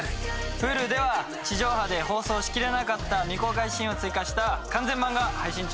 Ｈｕｌｕでは地上波で放送しきれなかった未公開シーンを追加した完全版が配信中です。